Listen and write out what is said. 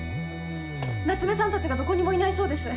夏目さんたちがどこにもいないそうです。